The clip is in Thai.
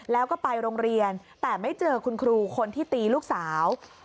แล้วก็ไปโรงเรียนแต่ไม่เจอคุณครูคนที่ตีลูกสาว